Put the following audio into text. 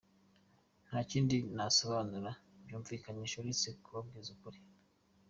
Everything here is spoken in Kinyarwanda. Nta kindi nasobanura kibyumvikanisha uretse kubabwiza ukuri.